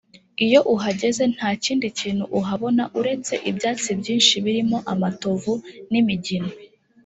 Iyo uhageze nta kindi kintu uhabona uretse ibyatsi byinshi birimo amatovu n’imigina